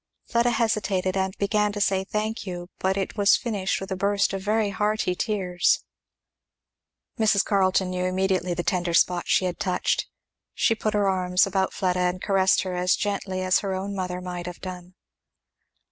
Fleda hesitated and began to say, "Thank you," but it was finished with a burst of very hearty tears. Mrs. Carleton knew immediately the tender spot she had touched. She put her arms about Fleda and caressed her as gently as her own mother might have done.